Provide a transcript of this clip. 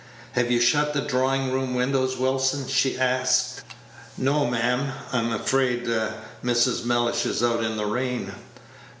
"Have you shut the drawing room windows, Wilson?" she asked. "No, ma'am; I am afraid Mrs. Mellish is out in the rain.